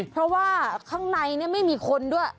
เพราะว่าข้างในไม่มีคนด้วย